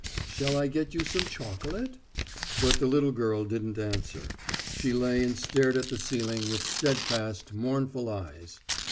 "Shall I get you some chocolate?" But the little girl didn't answer, she lay and stared at the ceiling with steadfast, mournful eyes.